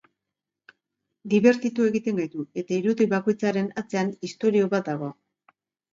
Dibertitu egiten gaitu, eta irudi bakoitzaren atzean istorio bat dago.